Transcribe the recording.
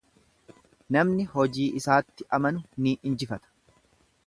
Namni hojii isaatti amanu ni injifata.